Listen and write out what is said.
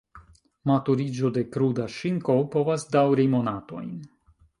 Maturiĝo de kruda ŝinko povas daŭri monatojn.